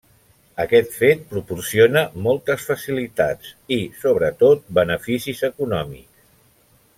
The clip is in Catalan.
Aquest fet proporciona moltes facilitats i, sobretot, beneficis econòmics.